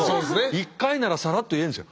１回ならサラッと言えるんですよ。